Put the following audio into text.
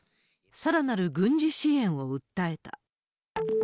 さらなる軍事支援を訴えた。